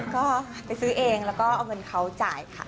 ก็ไปซื้อเองแล้วก็เอาเงินเขาจ่ายค่ะ